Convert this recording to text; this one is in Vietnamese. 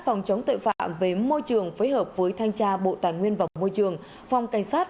phòng chống tội phạm về môi trường phối hợp với thanh tra bộ tài nguyên và môi trường phòng cảnh sát